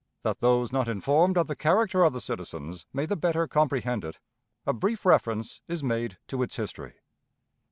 That those not informed of the character of the citizens may the better comprehend it, a brief reference is made to its history.